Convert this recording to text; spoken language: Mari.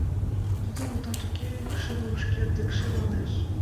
Тудо, мутат уке, икшывым шке декше налеш.